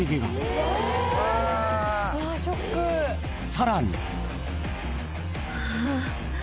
［さらに］